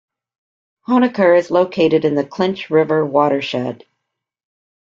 Honaker is located in the Clinch River watershed.